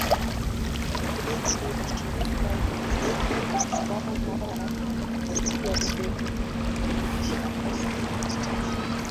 ugenzi wa shirika hilo kwa bara la asia sofie richardson